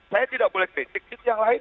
saya tidak boleh kritik di yang lain